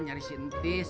nyari si tis